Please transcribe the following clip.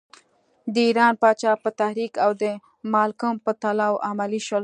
د ایران پاچا په تحریک او د مالکم په طلاوو عملی شول.